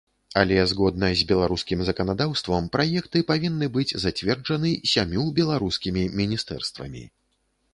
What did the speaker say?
Але, згодна з беларускім заканадаўствам, праекты павінны быць зацверджаны сямю беларускімі міністэрствамі.